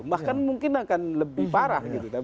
bahkan mungkin akan lebih parah gitu kan